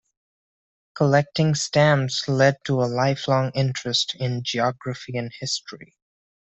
Collecting stamps led to a lifelong interest in geography and history.